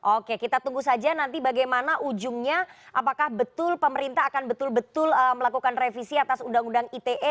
oke kita tunggu saja nanti bagaimana ujungnya apakah betul pemerintah akan betul betul melakukan revisi atas undang undang ite